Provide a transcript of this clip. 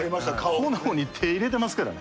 炎に手入れてますからね。